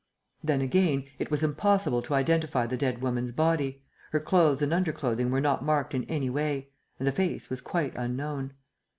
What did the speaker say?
Then again, it was impossible to identify the dead woman's body. Her clothes and underclothing were not marked in any way. And the face was quite unknown.